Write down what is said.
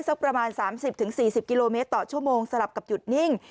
สักประมาณ๓๐๔๐กิโลเมตรต่อชั่วโมงสลับกับหยุดนิ่ง